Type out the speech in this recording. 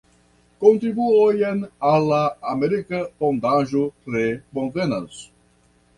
Kontribuojn al la Amerika Fondaĵo tre bonvenas!